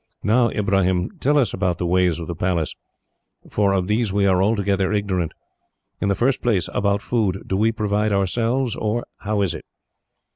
"Now, Ibrahim, tell us about the ways of the Palace, for of these we are altogether ignorant. In the first place, about food. Do we provide ourselves, or how is it?"